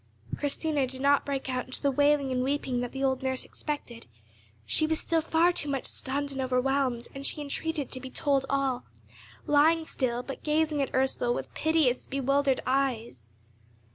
Christina did not break out into the wailing and weeping that the old nurse expected; she was still far too much stunned and overwhelmed, and she entreated to be told all, lying still, but gazing at Ursel with piteous bewildered eyes.